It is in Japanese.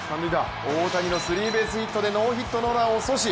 大谷のスリーベースヒットでノーヒットノーランを阻止。